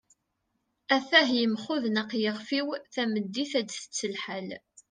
at-ah yemxudneq yixef-iw, tameddit ad tett lḥal